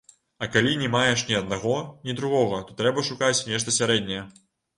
А калі не маеш ні аднаго, ні другога, то трэба шукаць нешта сярэдняе.